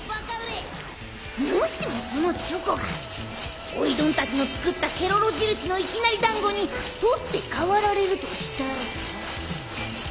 もしもそのチョコがおいどんたちの作ったケロロじるしのいきなりだんごに取って代わられるとしたら。